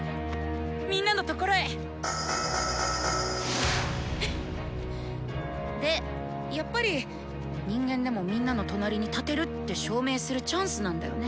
みんなのところへ！でやっぱり人間でもみんなの隣に立てるって証明するチャンスなんだよね。